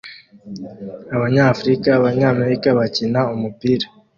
abanyafrika abanyamerika bakina umupira